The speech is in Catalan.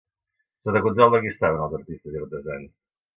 Sota control de qui estaven els artistes i artesans?